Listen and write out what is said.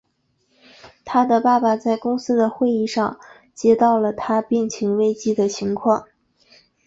他的爸爸在公司的会议上接到了他病情危机的情况。